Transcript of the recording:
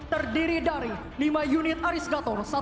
terdiri dari lima unit aris gator